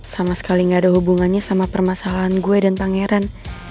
sama sekali gak ada hubungannya sama permasalahan gue dan pangeran